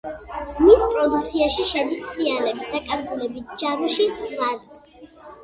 მის პროდუქციაში შედის სერიალები „დაკარგულები“, „ჯაშუში“, „ზღვარი“.